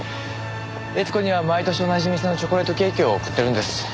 悦子には毎年同じ店のチョコレートケーキを贈ってるんです。